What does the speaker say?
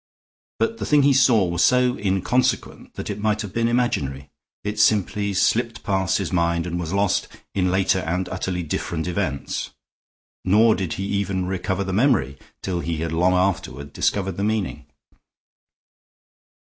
But the thing he saw was so inconsequent that it might have been imaginary. It simply slipped past his mind and was lost in later and utterly different events; nor did he even recover the memory till he had long afterward discovered the meaning.